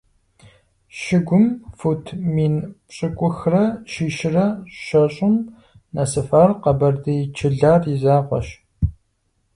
Щыгум фут мин пщыкӀухрэ щищрэ щэщӀым нэсыфар къэбэрдей Чылар и закъуэщ.